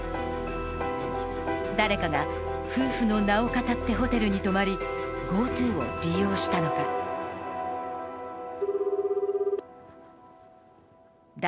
誰かが夫婦の名をかたってホテルに泊まり、ＧｏＴｏを利用したのだ。